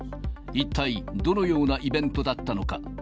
一体どのようなイベントだったのか。